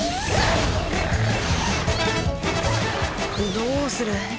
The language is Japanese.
どうする？